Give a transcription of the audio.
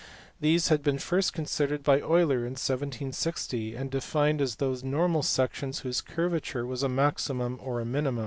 These had been first considered by Euler in 1760, and defined as those normal sections whose curvature was a maximum or a minimum.